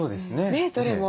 ねっどれも。